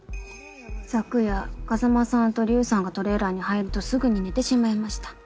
昨夜風真さんとリュウさんがトレーラーに入るとすぐに寝てしまいました。